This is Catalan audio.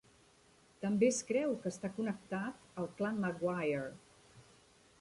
També es creu que està connectat al clan Maguire.